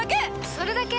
それだけ？